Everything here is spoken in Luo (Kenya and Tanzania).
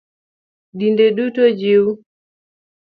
Dinde duto jiw